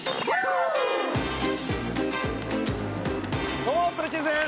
どうもストレッチーズです。